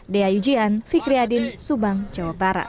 dea yujian fikri adin subang jawa barat